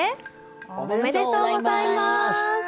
おめでとうございます。